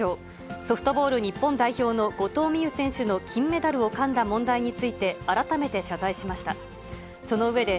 ソフトボール日本代表の後藤希友選手の金メダルをかんだ問題について、改めて謝罪しました。